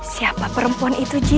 siapa perempuan itu ji